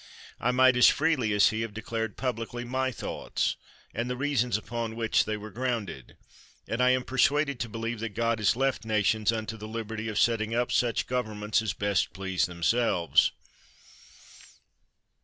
I might as freely as he have declared publicly my thoughts, and the reasons upon which they were grounded; and I am persuaded to believe that God has left nations unto the liberty of setting up such governments as best please themselves.